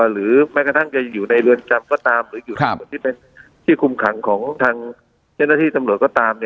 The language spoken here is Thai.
หรือไม่กระทั่งจะอยู่ในเรือนจำก็ตามหรืออยู่ในที่คุมขังของท่านท่านที่จำนวนก็ตาม